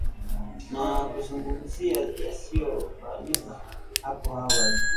na kuzungumzia yasiyofahamika hapo awali